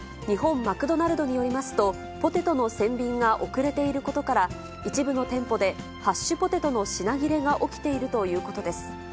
日本マクドナルドによりますと、ポテトの船便が遅れていることから、一部の店舗でハッシュポテトの品切れが起きているということです。